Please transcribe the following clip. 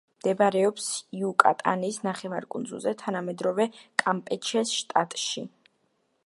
მდებარეობს იუკატანის ნახევარკუნძულზე, თანამედროვე კამპეჩეს შტატში.